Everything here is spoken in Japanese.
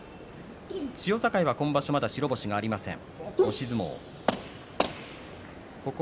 千代栄は今場所まだ白星がありません。